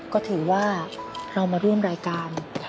ก็ถือว่าเรามาร่วมรายการ